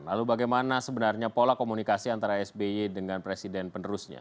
lalu bagaimana sebenarnya pola komunikasi antara sby dengan presiden penerusnya